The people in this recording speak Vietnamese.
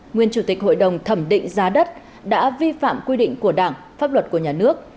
nguyên chủ tịch hội đồng thẩm định giá đất đã vi phạm quy định của đảng pháp luật của nhà nước